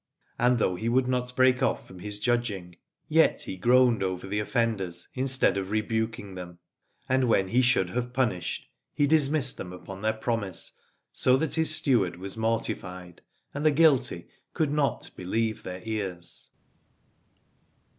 And though he would not break off from his judging, yet he groaned over the offenders instead of rebuking them ; and when he should have punished, he dismissed them upon their promise, so that his steward was mortified, and the guilty could not believe their ears.